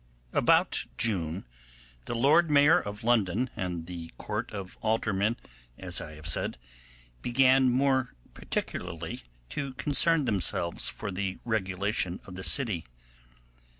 About June the Lord Mayor of London and the Court of Aldermen, as I have said, began more particularly to concern themselves for the regulation of the city.